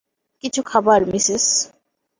কিছু খাবার, মিসেস।